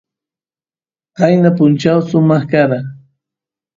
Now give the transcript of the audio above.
qayna punchaw sumaq kara